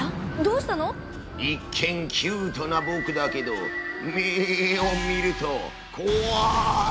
一見キュートなボクだけど目を見るとこわい！